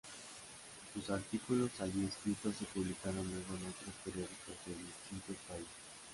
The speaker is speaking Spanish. Sus artículos allí escritos se publicaron luego en otros periódicos de distintos países.